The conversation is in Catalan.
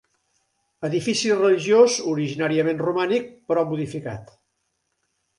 Edifici religiós originàriament romànic però modificat.